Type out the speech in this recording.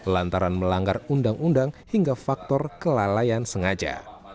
lantaran melanggar undang undang hingga faktor kelalaian sengaja